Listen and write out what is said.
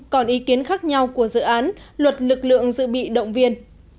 còn ý kiến khác nhau của dự án luật lực lượng dự bị động viên